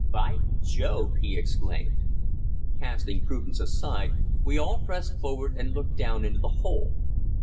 "By Jove!" he exclaimed. Casting prudence aside, we all pressed forward and looked down into the hole.